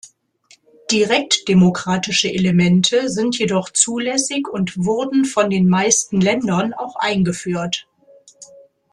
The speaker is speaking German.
Direktdemokratische Elemente sind jedoch zulässig und wurden von den meisten Ländern auch eingeführt.